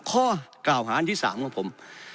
ข้อกล่าวหาอันที่๓ของผม